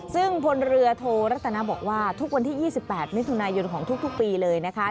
ซึ่งพลเรือโทรัตนาบอกว่าทุกวันที่๒๘มิถุนายนของทุกปีเลยนะคะ